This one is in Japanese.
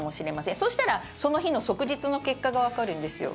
そしたら、その日の即日の結果がわかるんですよ。